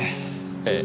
ええ。